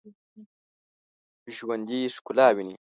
ژوندي ښکلا ویني